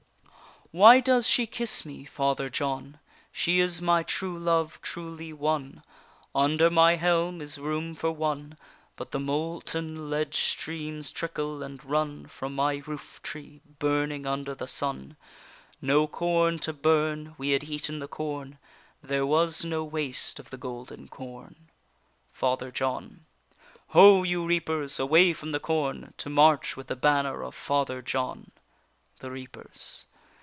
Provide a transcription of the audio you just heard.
Why does she kiss me, Father John? She is my true love truly won! Under my helm is room for one, But the molten lead streams trickle and run From my roof tree, burning under the sun; No corn to burn, we had eaten the corn, There was no waste of the golden corn. FATHER JOHN. Ho, you reapers, away from the corn, To march with the banner of Father John! THE REAPERS.